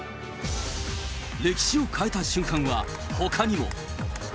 歴史を変えた瞬間はほかにも。